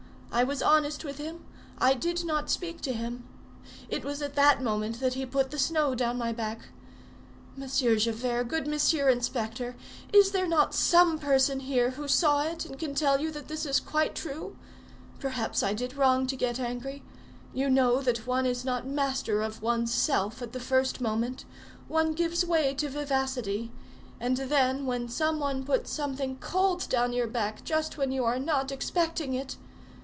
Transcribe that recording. I was honest with him; I did not speak to him. It was at that moment that he put the snow down my back. Monsieur Javert, good Monsieur Inspector! is there not some person here who saw it and can tell you that this is quite true? Perhaps I did wrong to get angry. You know that one is not master of one's self at the first moment. One gives way to vivacity; and then, when some one puts something cold down your back just when you are not expecting it!